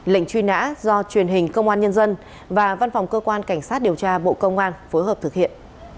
lệnh truy nã do truyền hình công an nhân dân và văn phòng cơ quan cảnh sát điều tra bộ công an phối hợp thực hiện